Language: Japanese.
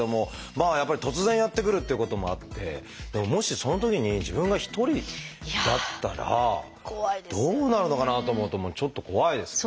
やっぱり突然やって来るっていうこともあってでももしそのときに自分が一人だったらどうなるのかなと思うとちょっと怖いですよね。